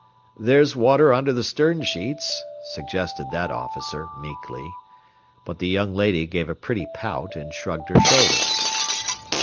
"There's water under the stern sheets," suggested that officer, meekly. But the young lady gave a pretty pout, and shrugged her shoulders.